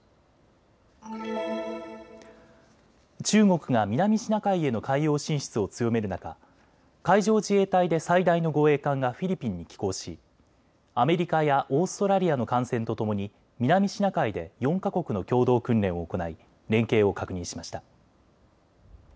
中国が南シナ海への海洋進出を強める中、海上自衛隊で最大の護衛艦がフィリピンに寄港しアメリカやオーストラリアの艦船とともに南シナ海で４か国の共同訓練を行い連携を確認しました。